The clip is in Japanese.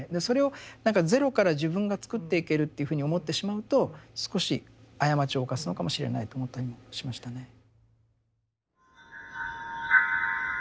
それを何かゼロから自分が作っていけるっていうふうに思ってしまうと少し過ちを犯すのかもしれないと思ったりもしましたね。